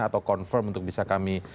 atau confirm untuk bisa kami